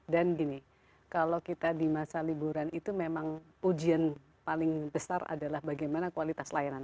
dan gini kalau kita di masa liburan itu memang ujian paling besar adalah bagaimana kualitas layanan